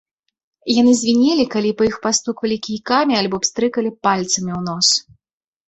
Яны звінелі, калі па іх пастуквалі кійкамі альбо пстрыкалі пальцамі ў нос.